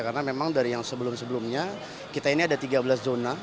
karena memang dari yang sebelum sebelumnya kita ini ada tiga belas zona